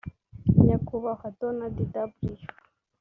nyakubahwa Donald W